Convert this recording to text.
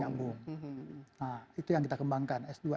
nah itu yang kita kembangkan